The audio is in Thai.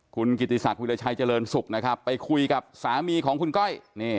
คุณกิติศักดิราชัยเจริญสุขนะครับไปคุยกับสามีของคุณก้อย